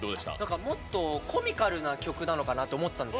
もっとコミカルな曲なのかなって思ってたんです。